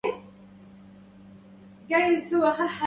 لا تخش من لا يقتنيك الأسى